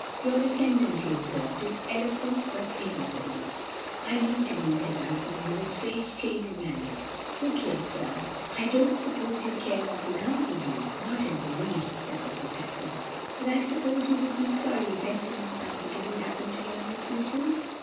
"Your attendant," he observed, "is eloquent but inaudible." "I mean to be," said Ulfin, with a sudden change of manner. "Look here, sir, I don't suppose you care what becomes of you." "Not in the least," said the Professor. "But I suppose you would be sorry if anything uncomfortable happened to your new pupils?"